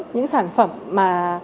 những sản phẩm